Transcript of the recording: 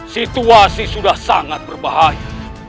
situasi sudah sangat berbahaya